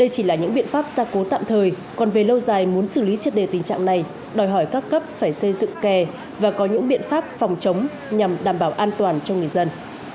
các biện pháp gia cố tạm thời còn về lâu dài muốn xử lý chất đề tình trạng này đòi hỏi các cấp phải xây dựng kè và có những biện pháp phòng chống nhằm đảm bảo an toàn cho người dân